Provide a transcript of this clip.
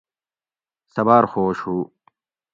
سہ باۤر خوش ہُو